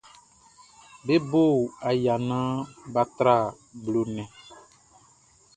Be bo aya naan bʼa tra blo nnɛn.